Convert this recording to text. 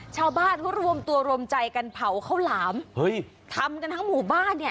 ชาวบ้านเขารวมตัวรวมใจกันเผาข้าวหลามเฮ้ยทำกันทั้งหมู่บ้านเนี่ย